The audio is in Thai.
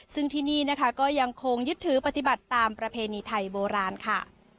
ซึ่งที่นี่นะคะก็ยังคงยึดถือปฏิบัติตามประเพณีไทยโบราณค่ะ